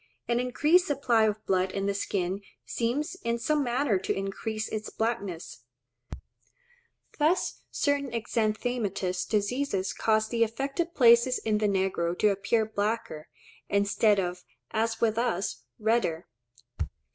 An increased supply of blood in the skin seems in some manner to increase its blackness; thus certain exanthematous diseases cause the affected places in the negro to appear blacker, instead of, as with us, redder.